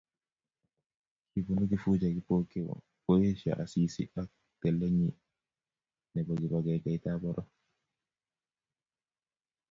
Kibunu Kifuja Kipokeo koesio Asisi ak telelenyi nebo kibagengeitab poror